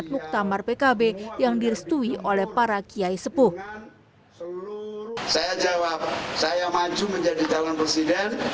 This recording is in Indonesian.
dan muktamar pkb yang direstui oleh para kiai sepuh saya jawab saya maju menjadi calon presiden